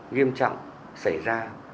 nghiêm trọng xảy ra